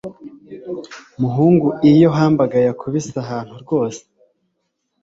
Muhungu iyo hamburger yakubise ahantu rwose